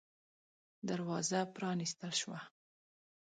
دروازه پرانستل شوه.